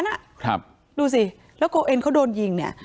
นั้นอ่ะครับดูสิแล้วโกเอ็นเขาโดนยิงเนี่ย